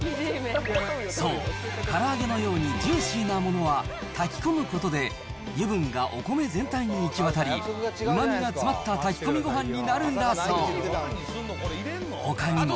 そう、から揚げのようにジューシーなものは、炊き込むことで油分がお米全体に行き渡り、うまみが詰まった炊き込みご飯になるんだそう。